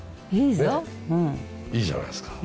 いいじゃないですか。